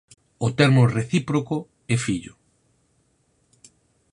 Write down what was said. O termo recíproco é «fillo».